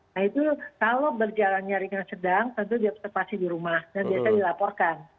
nah itu kalau berjalan nyari sedang tentu diakses di rumah dan biasa dilaporkan